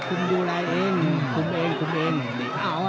ใครแข็งแรงเขาใครแข็งแรงใครดีเอาไปทับมาแค่งขวาแค่งนี้จับเข้าไปเต็มลำตัวนะ